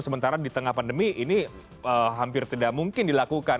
sementara di tengah pandemi ini hampir tidak mungkin dilakukan